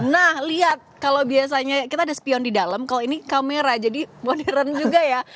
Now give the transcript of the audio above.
nah lihat kalau biasanya kita ada spion di dalam kalau ini kamera jadi modern juga ya